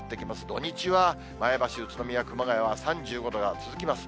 土日は前橋、宇都宮、熊谷は３５度が続きます。